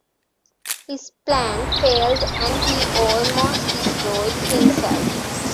His plan failed and he almost destroyed himself.